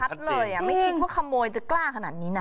เห็นชัดเลยอ่ะไม่คิดว่าขโมยจะกล้าขนาดนี้นะ